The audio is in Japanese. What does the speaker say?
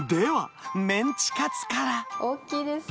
大きいです。